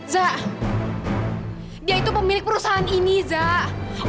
zah dia itu pemilik perusahaan ini zah